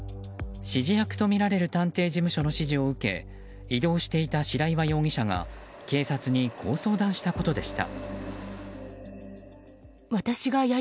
指示役とみられる探偵事務所の指示を受け移動していた白岩容疑者が警察に、こう相談したことでした。